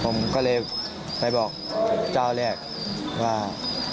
ผมก็เลยไปบอกเจ้าแรกว่า